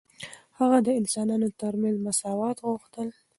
هغه د انسانانو ترمنځ مساوات غوښتل.